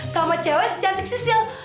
sama cewek sejantik sisil